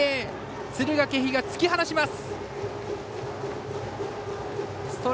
敦賀気比が突き放します。